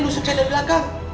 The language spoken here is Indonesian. lusut saya dari langkah